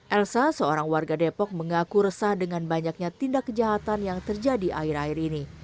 elsa seorang warga depok mengaku resah dengan banyaknya tindak kejahatan yang terjadi akhir akhir ini